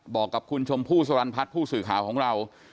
บอกกับคุณชมพู่สรรพัฒน์ผู้สื่อข่าวของเรา